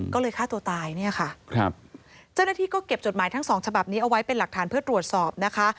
ก็เลยฆ่าตัวตายเนี่ยค่ะครับเจ้าหน้าที่ก็เก็บจดหมายทั้งสองฉบับนี้เอาไว้เป็นหลักฐานเพื่อตรวจสอบนะคะ